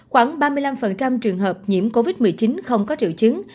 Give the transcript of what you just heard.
khoảng ba mươi năm trường hợp nhiễm covid một mươi chín không có triệu chứng